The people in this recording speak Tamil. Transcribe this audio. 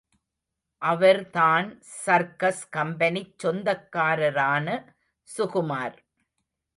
அவர்தான் சர்க்கஸ் கம்பெனிச் சொந்தக்காரரான சுகுமார்!